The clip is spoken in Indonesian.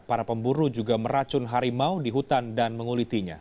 para pemburu juga meracun harimau di hutan dan mengulitinya